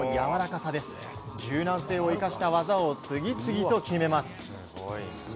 柔軟性を生かした技を次々と決めます。